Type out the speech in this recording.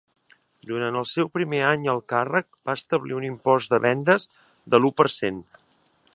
Durant el seu primer any al càrrec, va establir un impost de vendes de l'u per cent.